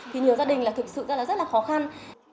thì nhiều gia đình là thực sự rất là khó khăn